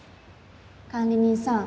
管理人さん